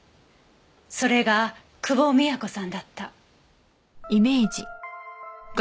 それが久保美也子さんだった。